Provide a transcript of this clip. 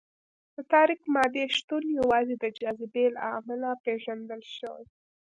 د تاریک مادې شتون یوازې د جاذبې له امله پېژندل شوی.